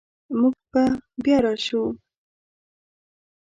موږ به بیا راشو